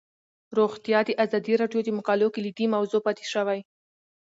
روغتیا د ازادي راډیو د مقالو کلیدي موضوع پاتې شوی.